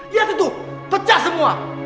lihat itu pecah semua